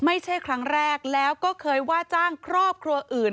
ไม่ใช่ครั้งแรกแล้วก็เคยว่าจ้างครอบครัวอื่น